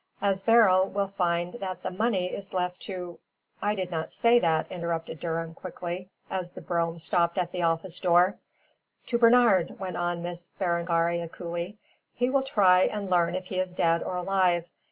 As Beryl will find that the money is left to " "I did not say that," interrupted Durham, quickly, as the brougham stopped at the office door. "To Bernard," went on Miss Berengaria, coolly, "he will try and learn if he is dead or alive.